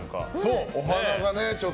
お花がね。